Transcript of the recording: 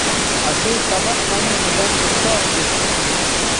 اسئ سبق منے سو دَن اُستاذ دیت